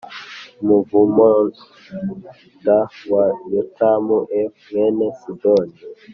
umuvumod wa Yotamu e mwene sidoni